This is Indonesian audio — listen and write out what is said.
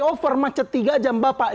over macet tiga jam bapak